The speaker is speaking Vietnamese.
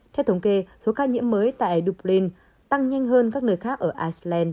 theo thống kê số ca nhiễm mới tại dublin tăng nhanh hơn các nơi khác ở iceland